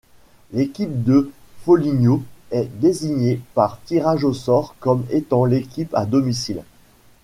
L'équipe de Foligno est désigné par tirage au sort comme étant l'équipe à domicile.